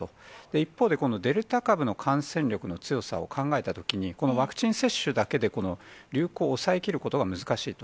一方で、このデルタ株の感染力の強さを考えたときに、このワクチン接種だけで、この流行を抑えきることは難しいと。